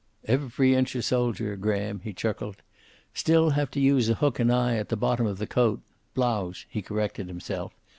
"Every inch a soldier, Graham," he chuckled. "Still have to use a hook and eye at the bottom of the coat blouse," he corrected himself.